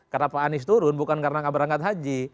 kenapa anies turun bukan karena kabar angkat haji